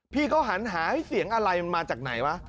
พี่เขาหันหาให้เสียงอะไรมันมาจากไหนวะ